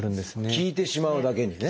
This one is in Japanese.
効いてしまうだけにね。